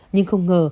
nhưng không ngờ